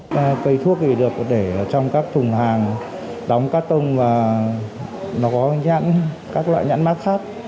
cây thuốc được để trong các thùng hàng đóng các tông và nó có các loại nhãn mát khác